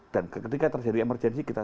dan ketika terjadi emergensi kita